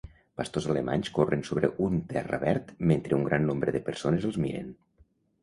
Pastors alemanys corren sobre un terra verd mentre un gran grup de persones els miren.